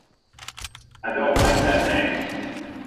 I don't like that name.